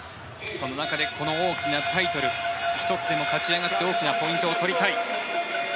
その中でこの大きなタイトル１つでも勝ち上がって大きなポイントを取りたい。